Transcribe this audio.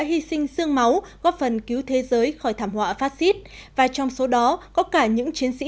hy sinh sương máu góp phần cứu thế giới khỏi thảm họa fascist và trong số đó có cả những chiến sĩ